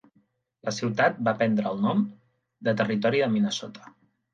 La ciutat va prendre el nom del Territori de Minnesota.